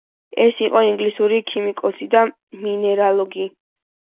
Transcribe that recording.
ეს იყო ინგლისელი ქიმიკოსი და მინერალოგი.